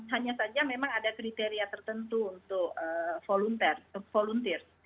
hanya saja memang ada kriteria tertentu untuk volunteer